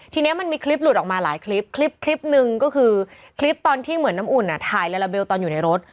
ทีนี้มันมีคลิปหลุดออกมาหลายคลิปคลิปหนึ่งก็คือคลิปตอนที่เหมือนน้ำอุ่นถ่ายลาลาเบลตอนอยู่ในรถ